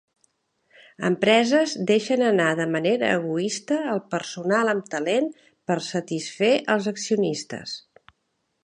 Empreses deixen anar de manera egoista el personal amb talent per satisfer els accionistes.